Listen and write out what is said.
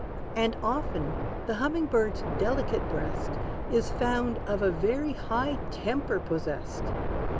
And often the humming bird's delicate breast Is found of a very high temper possessed.